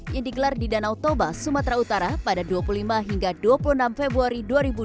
yang digelar di danau toba sumatera utara pada dua puluh lima hingga dua puluh enam februari dua ribu dua puluh